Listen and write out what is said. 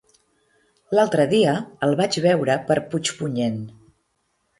L'altre dia el vaig veure per Puigpunyent.